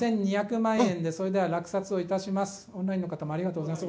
オンラインの方もありがとうございます。